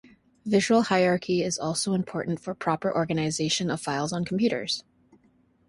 Visual hierarchy is also important for proper organization of files on computers.